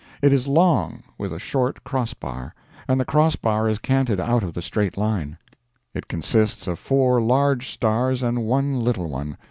It is long, with a short cross bar, and the cross bar is canted out of the straight line. It consists of four large stars and one little one.